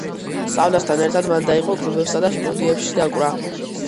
სწავლასთან ერთად, მან დაიყო კლუბებსა და სტუდიებში დაკვრა.